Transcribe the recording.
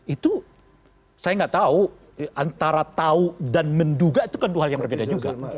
itu saya nggak tahu antara tahu dan menduga itu kan dua hal yang berbeda juga